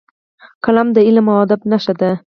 قلم د علم او ادب نښه ده